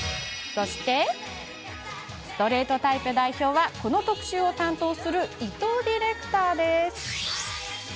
ストレートタイプ代表はこの特集を担当する伊藤ディレクターです。